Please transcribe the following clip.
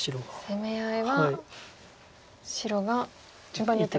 攻め合いは白が順番に打てば。